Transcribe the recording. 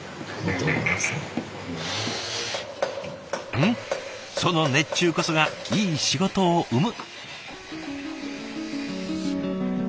うんその熱中こそがいい仕事を生む。